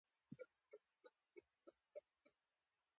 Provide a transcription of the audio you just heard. احمدشاه بابا د تاریخ په پاڼو کې تلپاتې نوم لري.